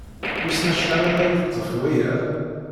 Wissen acḥal ara yeḍḍef waya.